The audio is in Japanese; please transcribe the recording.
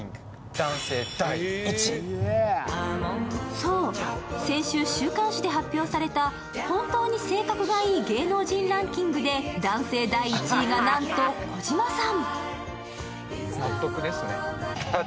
そう、先週週刊誌で発表された本当に性格がいい芸能人ランキングで男性第１位が、なんと児嶋さん。